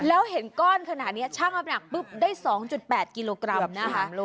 แล้วเห็นก้อนขนาดนี้ช่างน้ำหนักปุ๊บได้๒๘กิโลกรัมนะคะ